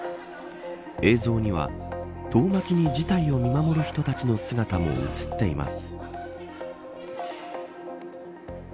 映像には遠巻きに事態を見守る人たちの姿も映っています。